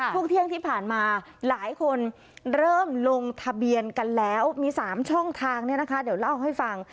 ช่วงเที่ยงที่ผ่านมาหลายคนเริ่มลงทะเบียนกันแล้วมี๓ช่องทางเนี่ยนะคะเดี๋ยวเล่าให้ฟัง